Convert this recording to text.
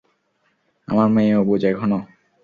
আমার মেয়ে অবুঝ এখনো।